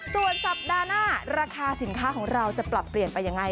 ส่วนสัปดาห์หน้าราคาสินค้าของเราจะปรับเปลี่ยนไปยังไง